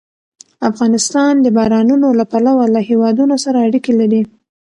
افغانستان د بارانونو له پلوه له هېوادونو سره اړیکې لري.